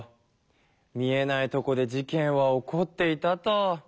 見えないとこで事けんは起こっていたと。